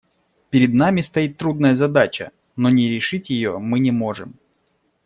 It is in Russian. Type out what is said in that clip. Перед нами стоит трудная задача, но не решить ее мы не можем.